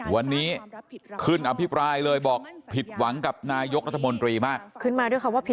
วันนี้ขึ้นอภิปรายเลยบอกผิดหวังกับนายกรัฐมนตรีมา